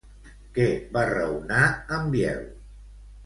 Què va raonar en Biel?